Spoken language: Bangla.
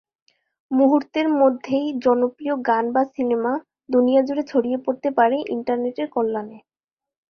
মুহুর্তের মধ্যেই জনপ্রিয় গান বা সিনেমা দুনিয়া জুড়ে ছড়িয়ে পরতে পারে ইন্টারনেটের কল্যানে।